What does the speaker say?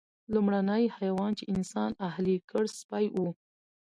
لومړنی حیوان چې انسان اهلي کړ سپی و.